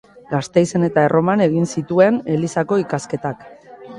Gasteizen eta Erroman egin zituen Elizako ikasketak.